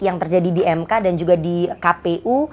yang terjadi di mk dan juga di kpu